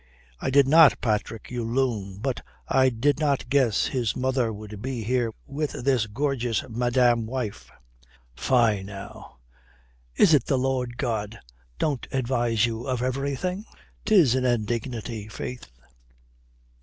"I did not, Patrick, you loon. But I did not guess his mother would be here with this gorgeous madame wife." "Fie now, is it the Lord God don't advise you of everything? 'Tis an indignity, faith."